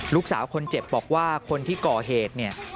ลูกสาวคนเจ็บบอกว่าคนที่ก่อเหตุเนี่ย